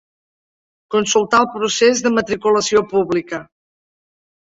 Consultar el procés de matriculació pública.